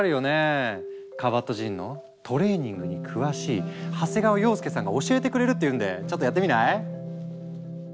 カバットジンのトレーニングに詳しい長谷川洋介さんが教えてくれるって言うんでちょっとやってみない？